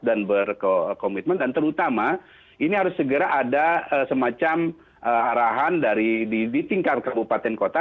dan berkomitmen dan terutama ini harus segera ada semacam arahan di tingkat kabupaten kota